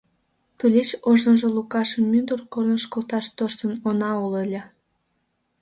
Тулеч ожныжо Лукашым мӱндыр корныш колташ тоштын она ул ыле.